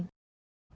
đào tạo hà nội